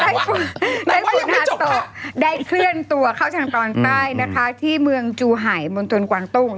พิทธิ์ถาตุได้เคลื่อนตัวเข้าทางตอนใต้นะคะที่เมืองจูหายมควังตุ้ง